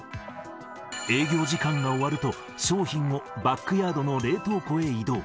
営業時間が終わると、商品をバックヤードの冷凍庫へ移動。